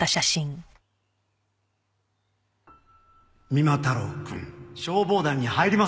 三馬太郎くん消防団に入りませんか？